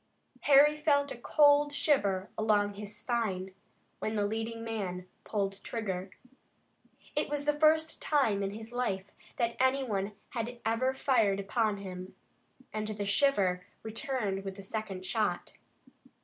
Harry felt a cold shiver along his spine when the leading man pulled trigger. It was the first time in his life that any one had ever fired upon him, and the shiver returned with the second shot.